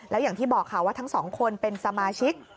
แล้วอย่างที่บอกค่ะว่าทั้งสองคนเป็นสมาชิก